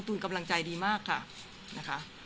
คุณตูนกำลังใจดีมากค่ะ